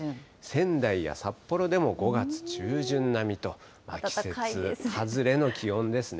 仙台や札幌でも５月中旬並みと、季節外れの気温ですね。